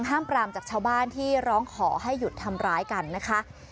ห้ามปรามจากชาวบ้านที่ร้องขอให้หยุดทำร้ายกันนะคะ